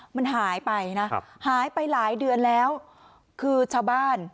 มันหายไปนะหายไปหลายเดือนแล้วคือชาวบ้าน